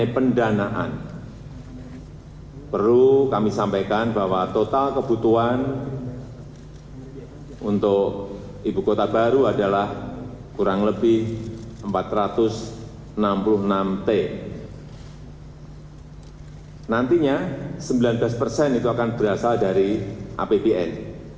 sembilan belas persen itu akan berasal dari apbn